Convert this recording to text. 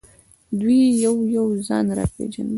دوی یو یو ځان را پېژانده.